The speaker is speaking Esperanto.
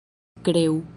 kreu